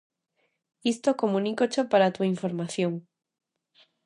Isto comunícocho para a túa información.